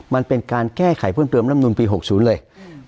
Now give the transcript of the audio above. มันเป็นการแก้ไขเพิ่มเติมรำนูลปี๖๐เลย